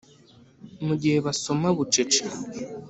Mu gihe basoma bucece